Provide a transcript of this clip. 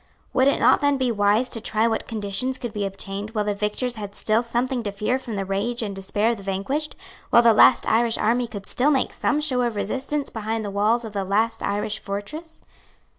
Would it not then be wise to try what conditions could be obtained while the victors had still something to fear from the rage and despair of the vanquished; while the last Irish army could still make some show of resistance behind the walls of the last Irish fortress?